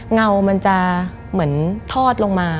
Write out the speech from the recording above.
เงามันจะเหมือนทอดลงมา